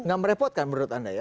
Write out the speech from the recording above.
nggak merepotkan menurut anda ya